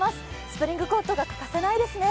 スプリングコートが欠かせないですね。